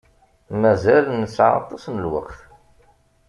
Mazal nesεa aṭas n lweqt.